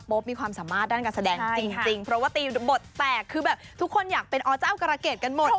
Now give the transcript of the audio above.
มีความสามารถด้านการแสดงจริงเพราะว่าตีบทแตกคือแบบทุกคนอยากเป็นอเจ้ากรเกดกันหมด